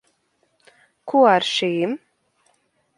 Ko ar šīm?